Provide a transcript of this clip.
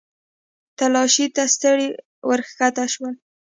تلاشۍ ته ستړي ورښکته شولو.